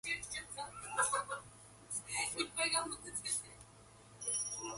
They are suppliers of colored newspaper in the United Kingdom and Sweden.